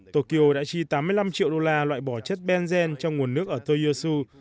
tokyo đã chi tám mươi năm triệu đô la loại bỏ chất benzen trong nguồn nước ở toyosu